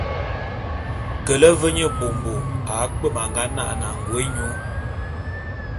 Kele ve nye mbômbo akpwem a nga nane angô’é nyô.